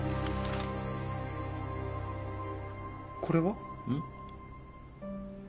これは？